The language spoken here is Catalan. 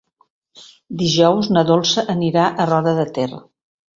Dijous na Dolça anirà a Roda de Ter.